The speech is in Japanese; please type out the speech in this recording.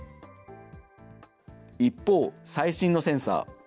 一方、最新のセンサー。